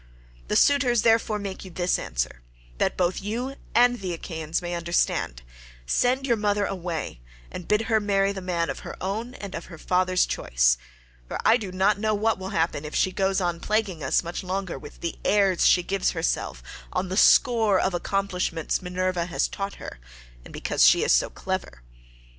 The suitors, therefore, make you this answer, that both you and the Achaeans may understand—'Send your mother away, and bid her marry the man of her own and of her father's choice'; for I do not know what will happen if she goes on plaguing us much longer with the airs she gives herself on the score of the accomplishments Minerva has taught her, and because she is so clever.